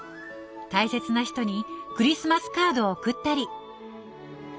大切な人にクリスマスカードを送ったり。